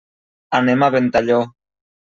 Anem a Ventalló.